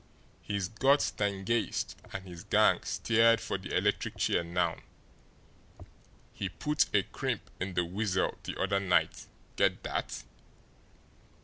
He's got Stangeist and his gang steered for the electric chair now; he put a crimp in the Weasel the other night get that?